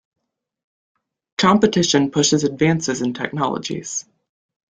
Competition pushes advances in technologies.